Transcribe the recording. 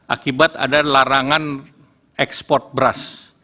akibat ada larangan ekspor beras